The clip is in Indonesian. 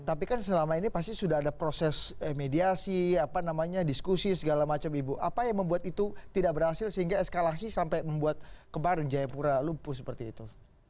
tapi kan selama ini pasti sudah ada proses mediasi apa namanya diskusi segala macam ibu apa yang membuat itu tidak berhasil sehingga eskalasi sampai membuat kemarin jayapura lupus seperti itu